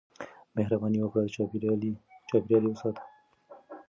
مهرباني وکړئ چاپېريال وساتئ.